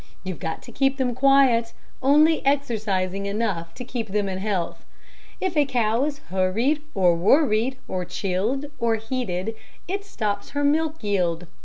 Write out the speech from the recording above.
You've got to keep them quiet, only exercising enough to keep them in health. If a cow is hurried or worried, or chilled or heated, it stops her milk yield.